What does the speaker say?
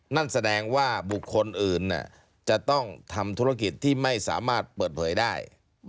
นั่นแสดงว่าบุคคลอื่นจะต้องทำธุรกิจที่ไม่สามารถเปิดเผยได้